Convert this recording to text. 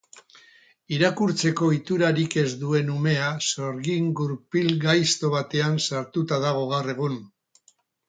Irakurtzeko ohiturarik ez duen umea sorgin-kurpil gaizto batean sartuta dago gaur egun.